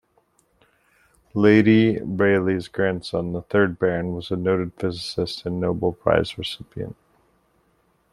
Lady Rayleigh's grandson, the third Baron, was a noted physicist and Nobel Prize recipient.